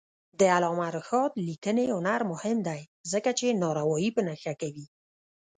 د علامه رشاد لیکنی هنر مهم دی ځکه چې ناروايي په نښه کوي.